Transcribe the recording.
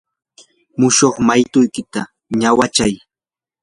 mushuq maytuykita ñawinchay.